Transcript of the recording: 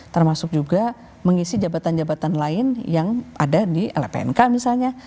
termasuk juga mengisi jabatan jabatan lain yang ada di lpnk misalnya